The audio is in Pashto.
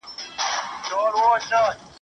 ¬ خداى خپل بنده گوري، بيا پر اوري.